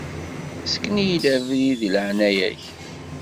Ssken-iyi-d abrid, deg leεnaya-k.